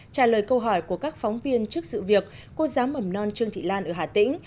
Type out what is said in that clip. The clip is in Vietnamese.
trả lời câu hỏi của các phóng viên trước sự việc cô giáo mầm non trương thị lan ở hà tĩnh